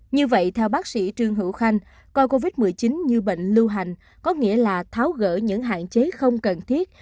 như vậy theo bác sĩ trương hữu khanh coi covid một mươi chín như bệnh lưu hành có nghĩa là tháo gỡ những hạn chế không cần thiết